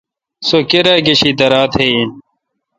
سو کیرا گشی دیراتھ این۔